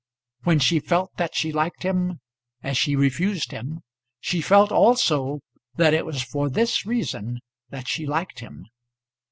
When she felt that she liked him as she refused him, she felt also that it was for this reason that she liked him.